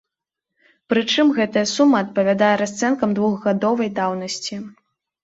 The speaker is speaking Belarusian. Прычым гэта сума адпавядае расцэнкам двухгадовай даўнасці.